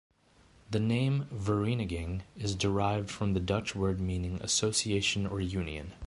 The name "Vereeniging" is derived from the Dutch word meaning "association" or "union".